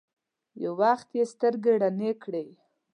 يو وخت يې سترګې رڼې کړې.